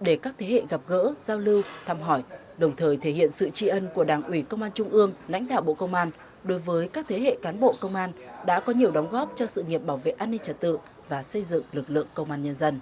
để hiện sự tri ân của đảng ủy công an trung ương lãnh thảo bộ công an đối với các thế hệ cán bộ công an đã có nhiều đóng góp cho sự nghiệp bảo vệ an ninh trật tự và xây dựng lực lượng công an nhân dân